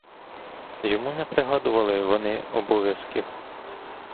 Йому не пригадували вони обов'язків.